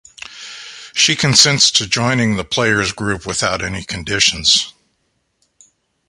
She consents to joining the player's group without any conditions.